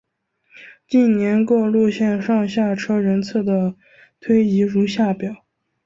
近年各路线上下车人次的推移如下表。